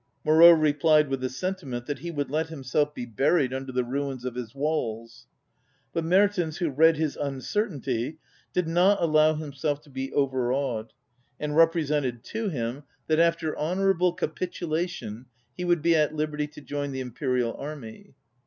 Moreau replied with the sen timent that he would let himself be buried under the ruins of his walls. But Mertens, who read his uncer tainty, did not allow himself to be overawed, and represented to him 61 ON READING that after honorable capitulation he would be at liberty to join the im perial army.